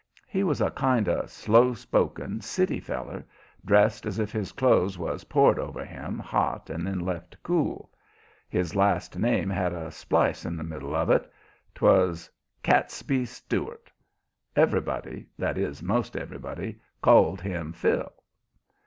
He was a kind of slow spoken city feller, dressed as if his clothes was poured over him hot and then left to cool. His last name had a splice in the middle of it 'twas Catesby Stuart. Everybody that is, most everybody called him "Phil."